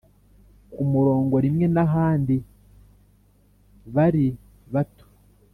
ku murongo rimwe, n'ahandi, bari bato…